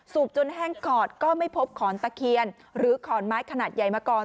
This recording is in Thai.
จนแห้งขอดก็ไม่พบขอนตะเคียนหรือขอนไม้ขนาดใหญ่มาก่อน